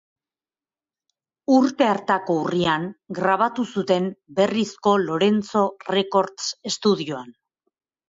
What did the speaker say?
Urte hartako urrian grabatu zuten Berrizko Lorentzo Records estudioan.